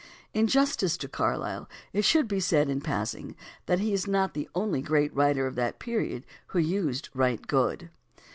In justice to Carlyle it should be said, in passing, that he is not the only great writer of that period who used "right good."